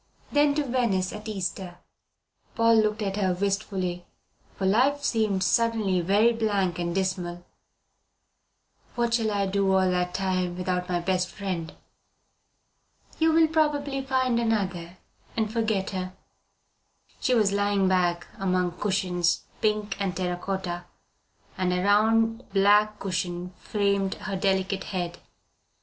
Then to Venice at Easter." Paul looked at her wistfully, for life seemed suddenly very blank and dismal. "What shall I do all that time without my best friend?" "You will probably find another and forget her." She was lying back among cushions, pink and terra cotta, and a round black cushion framed her delicate head.